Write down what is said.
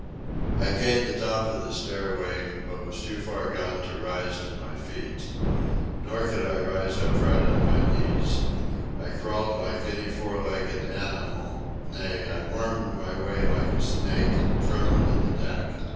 I gained the top of the stairway, but was too far gone to rise to my feet. Nor could I rise upright on my knees. I crawled like any four legged animal—nay, I wormed my way like a snake, prone to the deck.